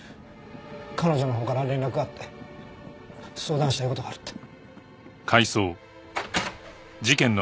彼女のほうから連絡があって相談したい事があるって。